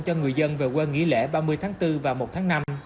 cho người dân về quê nghỉ lễ ba mươi tháng bốn và một tháng năm